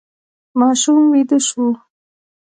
ماشوم ویده شو.